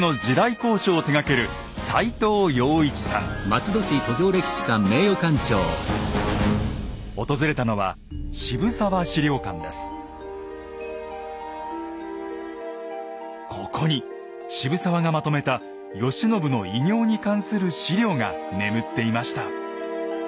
考証を手がける訪れたのはここに渋沢がまとめた慶喜の偉業に関する史料が眠っていました。